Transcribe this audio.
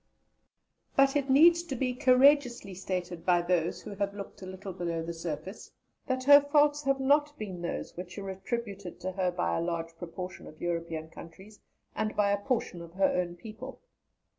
But it needs to be courageously stated by those who have looked a little below the surface that her faults have not been those which are attributed to her by a large proportion of European countries, and by a portion of her own people.